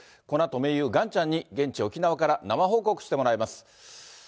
このあと盟友、ガンちゃんに現地、沖縄から生報告してもらいます。